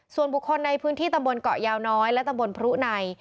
ส่วนบุคคลในพื้นที่ตำบลเกาะยาวน้อยและตำบลพรุใน